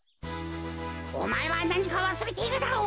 おまえはなにかわすれているだろう！？